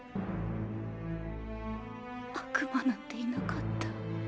悪魔なんていなかった。